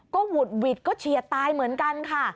ก็หวุดหวิดก็เฉียดตายเหมือนกันค่ะ